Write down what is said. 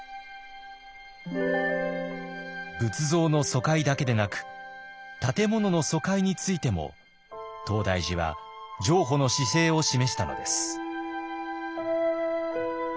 仏像の疎開だけでなく建物の疎開についても東大寺は譲歩の姿勢を示したのです。